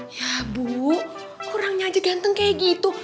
ya bu kurangnya aja ganteng kayak gitu